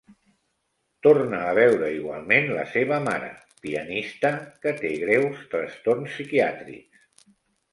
Torna a veure igualment la seva mare, pianista, que té greus trastorns psiquiàtrics.